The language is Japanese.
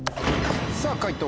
さぁ解答